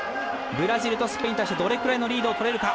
ブラジルとスペインに対してどれくらいのリードをとれるか。